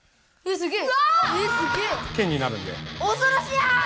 すげえ！